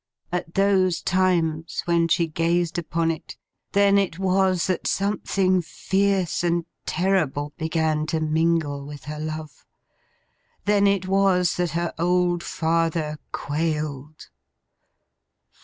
At those times, when she gazed upon it, then it was that something fierce and terrible began to mingle with her love. Then it was that her old father quailed.